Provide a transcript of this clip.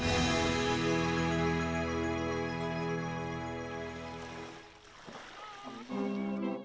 pertama suara dari biasusu